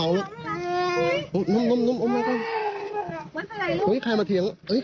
อ่อดูดันนี้ลูกไม่ร้องลูก